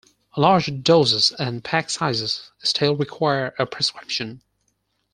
Larger doses and pack sizes still require a prescription.